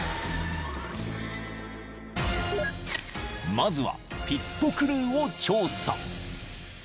［まずはピットクルーを調査］